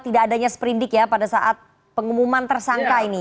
tidak adanya sprindik ya pada saat pengumuman tersangka ini